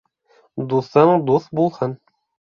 Дуҫың дуҫ булһын